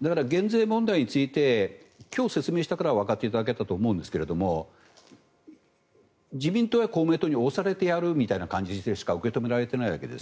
だから、減税問題について今日説明したからわかっていただけたと思いますが自民党や公明党に押されてやるみたいな感じでしか受け止められてないわけです。